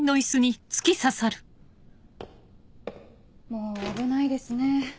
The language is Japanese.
もう危ないですね